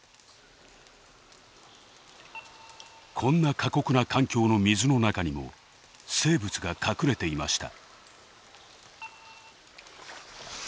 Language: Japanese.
こんな過酷な環境の水の中にも生物が隠れていました。